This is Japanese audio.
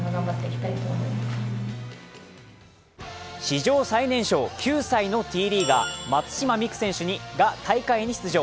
史上最年少９歳のＴリーガー、松島美空選手が大会に出場。